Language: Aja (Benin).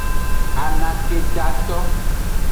Anakejato.